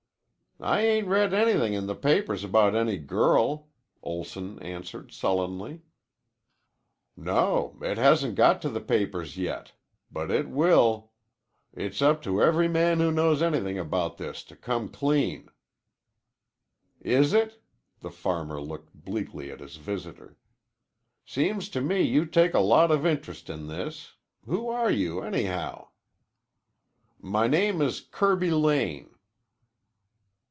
"I ain't read anything in the papers about any girl," Olson answered sullenly. "No, it hasn't got to the papers yet. But it will. It's up to every man who knows anything about this to come clean." "Is it?" The farmer looked bleakly at his visitor. "Seems to me you take a lot of interest in this. Who are you, anyhow?" "My name is Kirby Lane."